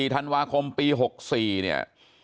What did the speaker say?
ธันวาคมปี๖๔เนี่ย